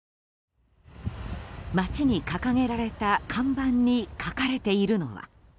街に掲げられた看板に書かれているのは。